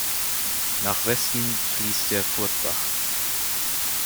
Nach Westen fliesst der Furtbach.